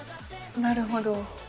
なるほど。